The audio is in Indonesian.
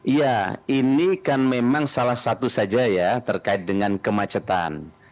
iya ini kan memang salah satu saja ya terkait dengan kemacetan